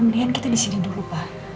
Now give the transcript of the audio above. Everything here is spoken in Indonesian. mendingan kita disini dulu pak